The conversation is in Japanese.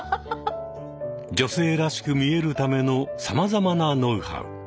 女性らしく見えるためのさまざまなノウハウ。